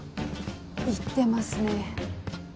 いってますね。